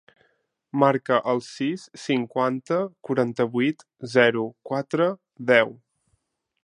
Marca el sis, cinquanta, quaranta-vuit, zero, quatre, deu.